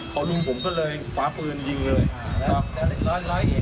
เขารุมผมก็เลยฝ้าปืนยิงเลย